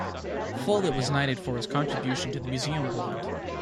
Follett was knighted for his contribution to the museum world.